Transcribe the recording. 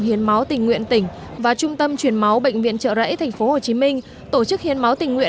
hiến máu tình nguyện tỉnh và trung tâm chuyển máu bệnh viện trợ rẫy tp hcm tổ chức hiến máu tình nguyện